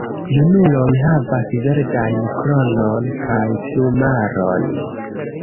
Junuloj havas verdajn kronon kaj plumaron.